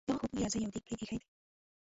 د غوښو بوی راځي او دېګ پرې ایښی دی.